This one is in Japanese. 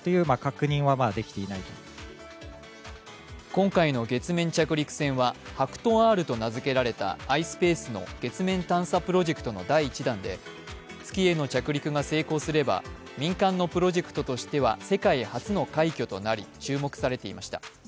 今回の月面着陸船はＨＡＫＵＴＯ−Ｒと名付けられたｉｓｐａｃｅの月面探査プロジェクトの第１弾で、月への着陸が成功すれば民間のプロジェクトとしては世界初の快挙となり注目されていました。